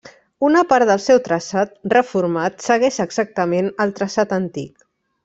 Una part del seu traçat, reformat, segueix exactament el traçat antic.